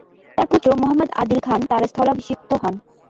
তার পুত্র মুহাম্মদ আদিল খান তার স্থলাভিষিক্ত হন।